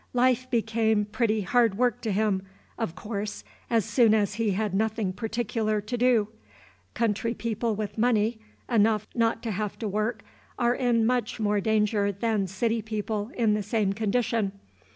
Life became pretty hard work to him, of course, as soon as he had nothing particular to do. Country people with money enough not to have to work are in much more danger than city people in the same condition.